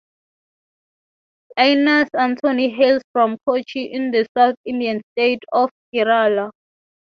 Aynus Antony hails from Kochi in the South Indian state of Kerala.